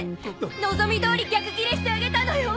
望み通り逆ギレしてあげたのよ！